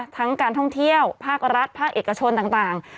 ทั้งการท่องเที่ยวภาครัฐภาคเอกชนต่าง